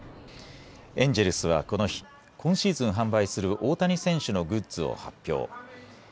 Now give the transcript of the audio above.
エンジェルスはこの日、今シーズン販売する大谷選手のグッズを発表。